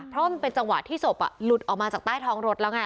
เพราะมันเป็นจังหวะที่ศพหลุดออกมาจากใต้ท้องรถแล้วไง